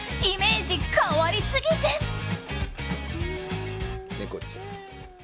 イメージ変わりすぎです！